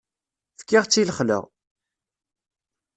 Fkiɣ-tt i lexla.